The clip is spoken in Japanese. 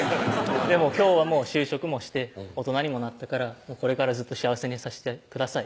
「でも今日は就職もして大人にもなったからこれからずっと幸せにさしてください」